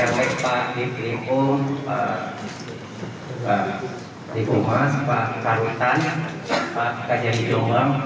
yang terbaik pak dipirimpu pak dipu mas pak pak rutan pak pak jari jombang